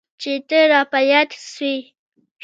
چي ته را په ياد سوې.